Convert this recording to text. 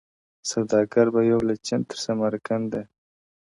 • سوداګر به یو له چین تر سمرقنده ,